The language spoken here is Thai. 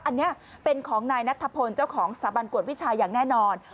อันนี้เป็นของนายนัทธพลเจ้าของสถาบันกวดวิชาอย่างแน่นอน